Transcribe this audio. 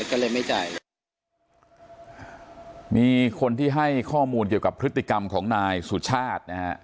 ก็เลยไม่จ่ายมีคนที่ให้ข้อมูลเกี่ยวกับพฤติกรรมของนายสุชาตินะฮะ